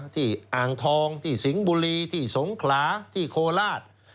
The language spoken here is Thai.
อ่างทองที่สิงห์บุรีที่สงขลาที่โคราช